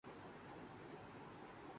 مجھے بھی ایسا فون لا دیں